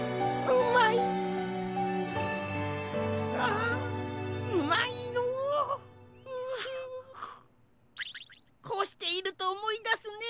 こうしているとおもいだすね。